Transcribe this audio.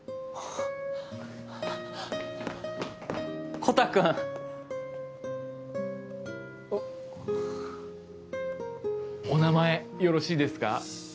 コタくん！お名前よろしいですか？